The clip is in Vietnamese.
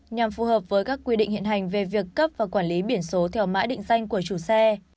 nhằm phù hợp với các quy định hiện hành về việc cấp và quản lý biển số theo mã định danh của chủ xe